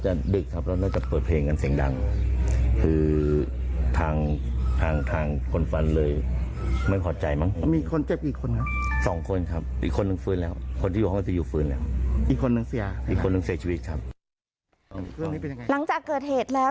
หลังจากเกิดเหตุแล้ว